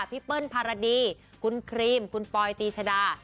เปิ้ลภารดีคุณครีมคุณปอยตีชดา